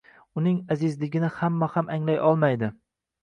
Uning azizligini hamma ham anglay olmaydi